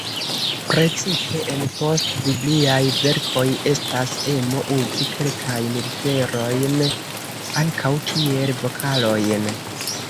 Precipe en post-bibliaj verkoj, estas emo uzi kelkajn literojn ankaŭ kiel vokalojn.